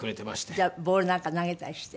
じゃあボールなんか投げたりして。